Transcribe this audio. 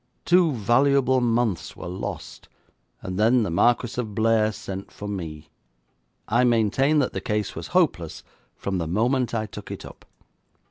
Two valuable months were lost, and then the Marquis of Blair sent for me! I maintain that the case was hopeless from the moment I took it up.